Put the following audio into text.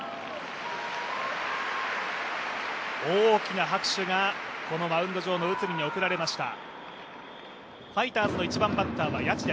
大きな拍手がこのマウンド上の内海に送られました。